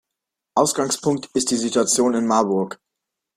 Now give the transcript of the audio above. Ausgangspunkt ist die Situation in Marburg.